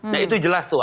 nah itu jelas tuh